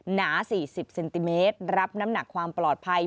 หนา๔๐เซนติเมตรรับน้ำหนักความปลอดภัย